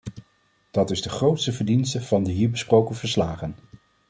Dat is de grote verdienste van de hier besproken verslagen.